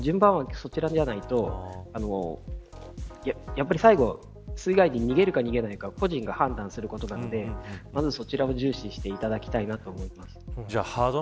順番はそちらじゃないとやっぱり最後水害時、逃げるか逃げないかは個人が判断することなのでまず、そちらを重視していただきたいと思います。